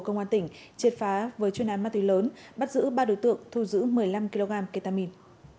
công an tỉnh triệt phá với chuyên án ma túy lớn bắt giữ ba đối tượng thu giữ một mươi năm kg ketamin